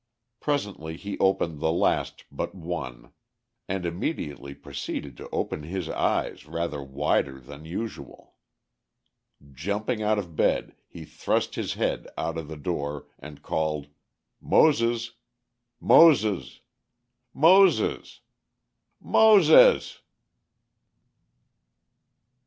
Presently he opened the last but one, and immediately proceeded to open his eyes rather wider than usual. Jumping out of bed he thrust his head out of the door and called, "Moses!" "Moses!!" "MOSES!!!" "MOSES!!!!"